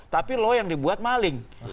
tapi lo yang dibuat maling